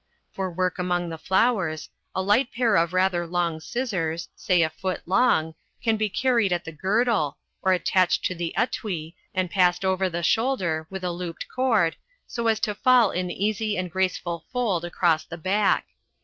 For work among the flowers, a light pair of rather long scissors, say a foot long, can be carried at the girdle, or attached to the etui and passed over the shoulder with a looped cord so as to fall in an easy and graceful fold across the back.